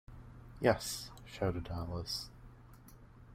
‘Yes!’ shouted Alice.